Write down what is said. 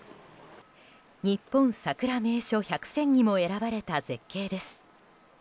日本さくら名所１００選にも選ばれた絶景です。